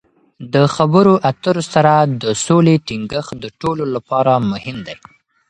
د خبرو اترو سره د سولې ټینګښت د ټولو لپاره مهم دی.